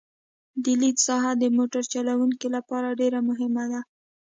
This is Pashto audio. د لید ساحه د موټر چلوونکي لپاره ډېره مهمه ده